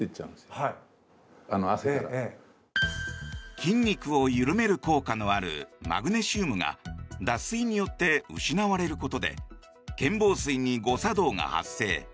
筋肉を緩める効果のあるマグネシウムが脱水によって失われることで腱紡錘に誤作動が発生。